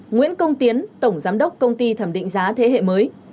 nguyễn công tiến tổng giám đốc công ty thẩm định giá thế hệ mới